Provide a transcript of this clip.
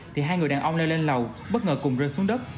thì hai người đàn ông leo lên lầu bất ngờ cùng rơi xuống đất